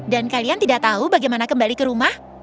kalian tidak tahu bagaimana kembali ke rumah